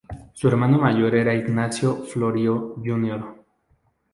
Su hermano mayor era Ignazio Florio Jr.